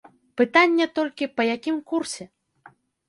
Пытанне толькі, па якім курсе.